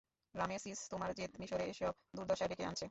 Ramesses, তোমার জেদ মিশরে এসব দুর্দশা ডেকে আনছে।